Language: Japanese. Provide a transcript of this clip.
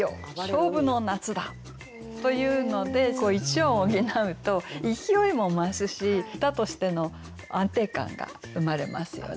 勝負の夏だ」というので１音補うと勢いも増すし歌としての安定感が生まれますよね。